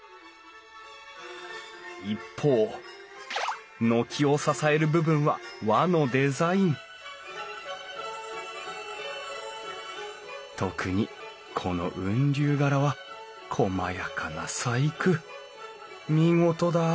一方軒を支える部分は和のデザイン特にこの雲龍柄はこまやかな細工。